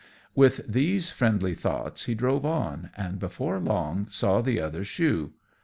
With these friendly thoughts he drove on, and, before long, saw the other shoe.